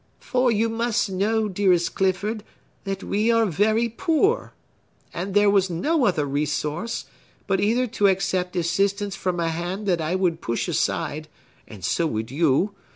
"For you must know, dearest Clifford, that we are very poor. And there was no other resource, but either to accept assistance from a hand that I would push aside (and so would you!)